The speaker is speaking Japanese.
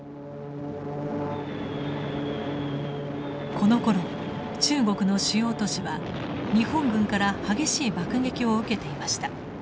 このころ中国の主要都市は日本軍から激しい爆撃を受けていました。